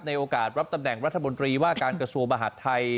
โอกาสรับตำแหน่งรัฐมนตรีว่าการกระทรวงมหาดไทย